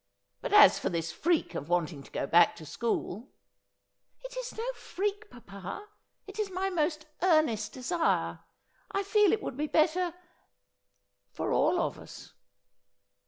But as for this freak of wanting to go back to school '' It is no freak, papa. It is my most earnest desire. I feel it would be better — for all of us.'